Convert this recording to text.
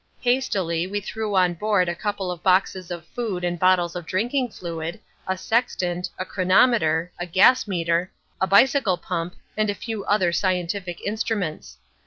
Hastily we threw on board a couple of boxes of food and bottles of drinking fluid, a sextant, a cronometer, a gas meter, a bicycle pump and a few other scientific instruments.